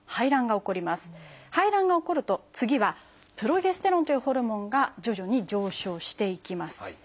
排卵が起こると次はプロゲステロンというホルモンが徐々に上昇していきます。